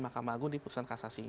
mahkamah agung diputusan kasasi ini